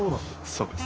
そうです。